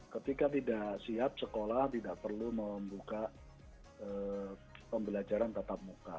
ketika tidak siap sekolah tidak perlu membuka pembelajaran tatap muka